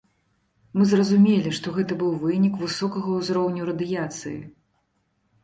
Мы зразумелі, што гэта быў вынік высокага ўзроўню радыяцыі.